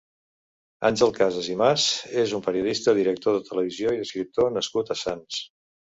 Àngel Casas i Mas és un periodista, director de televisió i escriptor nascut a Sants.